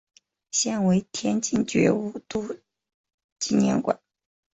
现为天津觉悟社纪念馆。